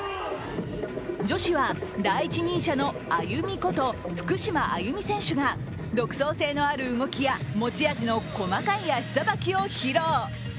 女子は第一人者のＡＹＵＭＩこと福島あゆみ選手が独創性のある動きや持ち味の細かい足さばきを披露。